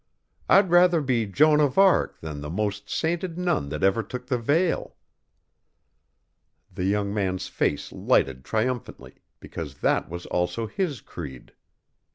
I'd rather be Joan of Arc than the most sainted nun that ever took the veil!" The young man's face lighted triumphantly, because that was also his creed.